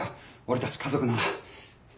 俺たち家族なら。